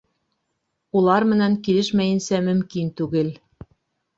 Улар менән килешмәйенсә мөмкин түгел.